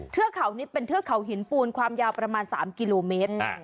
เทือกเขานี้เป็นเทือกเขาหินปูนความยาวประมาณ๓กิโลเมตร